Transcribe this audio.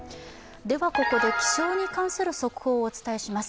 ここで気象に関する速報をお伝えします。